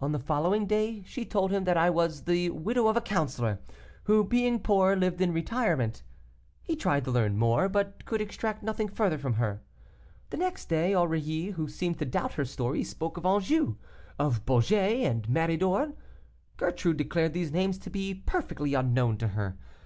On the following day she told him that I was the widow of a counselor, who, being poor, lived in retirement. He tried to learn more, but could extract nothing further from her. The next day, Aurilly, who seemed to doubt her story, spoke of Anjou, of Beaugé, and Méridor. Gertrude declared these names to be perfectly unknown to her.